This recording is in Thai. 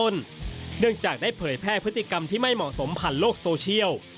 เนื่องจากได้เผยแพร่พฤติกรรมที่ไม่เหมาะสมผ่านโลกโซเชียล